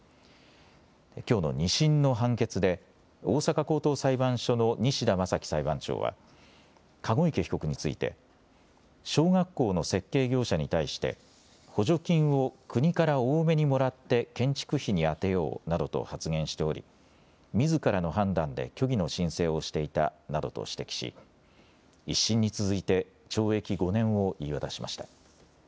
きょうの２審の判決で大阪高等裁判所の西田眞基裁判長は籠池被告について小学校の設計業者に対して補助金を国から多めにもらって建築費に充てようなどと発言しておりみずからの判断で虚偽の申請をしていたなどと指摘し１審に続いて懲役５年を言い渡しました。